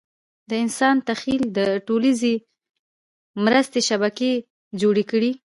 د انسان تخیل د ټولیزې مرستې شبکې جوړې کړې.